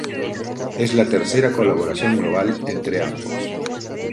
Es la tercera colaboración global entre ambos.